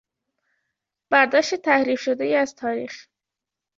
برداشت تحریف شدهای از تاریخ